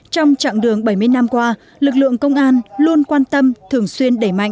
trong chặng đường bảy mươi năm qua lực lượng công an luôn quan tâm thường xuyên đẩy mạnh